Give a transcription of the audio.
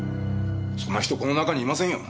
そんな人この中にいませんよ！